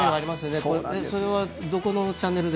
それはどこのチャンネルで？